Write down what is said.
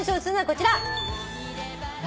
こちら。